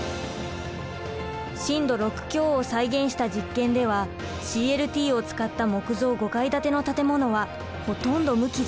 震度６強を再現した実験ではＣＬＴを使った木造５階建ての建物はほとんど無傷。